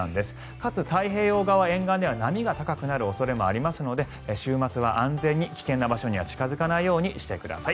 かつ、太平洋側沿岸では波が高くなる恐れもありますので週末は安全に危険な場所には近付かないようにしてください。